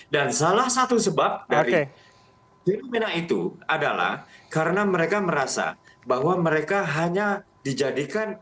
dan salah satu sebab dari dinamina itu adalah karena mereka merasa bahwa mereka hanya dijadikan